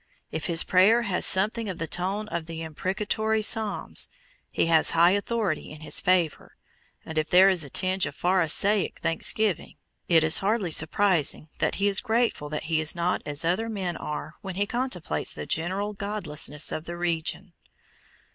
If his prayer has something of the tone of the imprecatory psalms, he has high authority in his favor; and if there be a tinge of the Pharisaic thanksgiving, it is hardly surprising that he is grateful that he is not as other men are when he contemplates the general godlessness of the region.